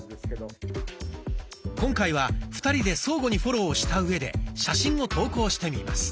今回は２人で相互にフォローをしたうえで写真を投稿してみます。